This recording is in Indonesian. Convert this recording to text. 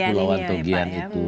kepulauan tugian itu